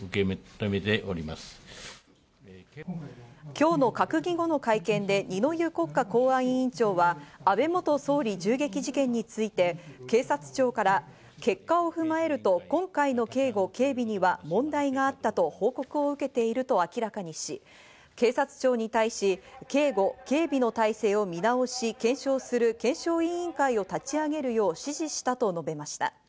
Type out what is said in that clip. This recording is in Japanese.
今日の閣議後の会見で二之湯国家公安委員長は安倍元総理銃撃事件について警察庁から結果を踏まえると今回の警護・警備には問題があったと報告を受けていると明らかにし、警察庁に対し警護・警備の体制を見直し、検証する検証委員会を立ち上げるよう指示したと述べました。